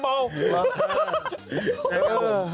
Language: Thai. ห่วง